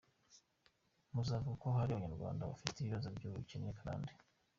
Muzavuga ko ari Abanyarwanda bafite ibibazo by’ubukene karande.